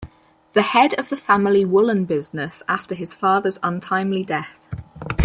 The head of the family woolen business after his father's untimely death.